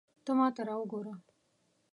ته ماته را وګوره